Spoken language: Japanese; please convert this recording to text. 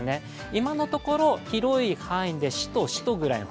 今のところ、広い範囲でしとしとぐらいな